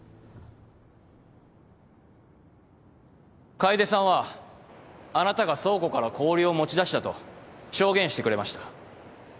楓さんはあなたが倉庫から氷を持ち出したと証言してくれました。